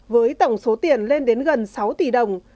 với tổng số tiền lên đến gần sáu tỷ đồng